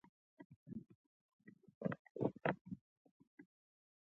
ده خټکی وخوړ. دې خټکی وخوړ.